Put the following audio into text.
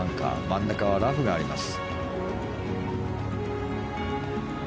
真ん中にはラフがあります。